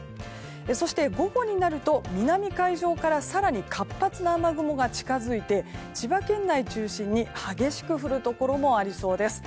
そして、午後になると南海上から更に活発な雨雲が近づいて千葉県内中心に、激しく降るところもありそうです。